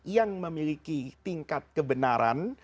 yang memiliki tingkat kebenaran